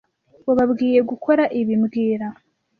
Wababwiye gukora ibi mbwira